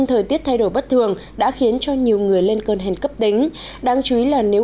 thời tiết thay đổi bất thường đã khiến cho nhiều người lên cơn hen cấp tính đáng chú ý là nếu